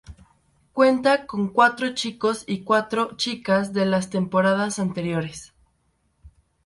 Cuenta con cuatro chicos y cuatro chicas de las temporadas anteriores.